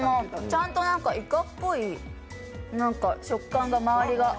ちゃんといかっぽい食感が、まわりが。